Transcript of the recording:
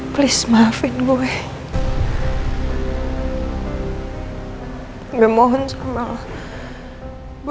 kejadian ini sudah empat tahun lamanya